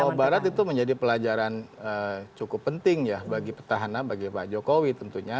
jawa barat itu menjadi pelajaran cukup penting ya bagi petahana bagi pak jokowi tentunya